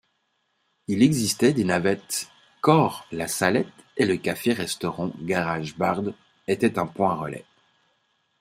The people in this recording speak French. Il existait des navettes Corps-La Salette et le café-restaurant-garage Barde était un point relais.